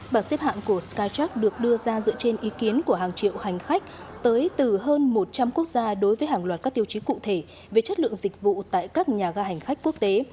bảng xếp hạng của skytrack được đưa ra dựa trên ý kiến của hàng triệu hành khách tới từ hơn một trăm linh quốc gia đối với hàng loạt các tiêu chí cụ thể về chất lượng dịch vụ tại các nhà ga hành khách quốc tế